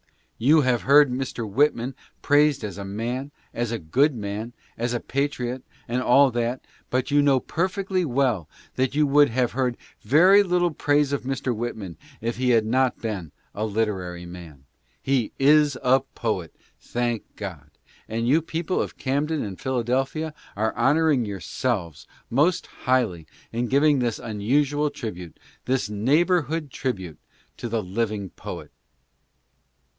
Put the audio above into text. You have heard Mr. Whitman praised as a man, as a good man, as a patriot and all that, but you know perfectly well that you would have heard very little praise of Mr. Whitman if he had not been a literary man. He is a poet, thank God ! and you people of Camden and Philadelphia are honoring yourselves most highly in giving this unusual tribute, this neighborhood tribute, to the living poet.